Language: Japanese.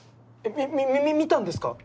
みみ見たんですか？